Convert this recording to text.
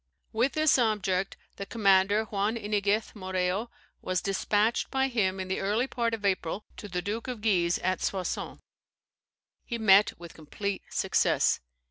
"With this object, the commander, Juan Iniguez Moreo, was despatched by him in the early part of April to the Duke of Guise at Soissons. He met with complete success.